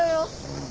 うん。